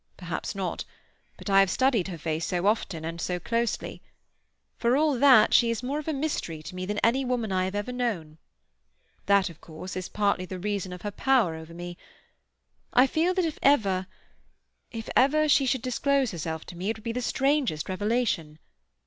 "Perhaps not. But I have studied her face so often and so closely. For all that, she is more a mystery to me than any woman I have ever known. That, of course, is partly the reason of her power over me. I feel that if ever—if ever she should disclose herself to me, it would be the strangest revelation.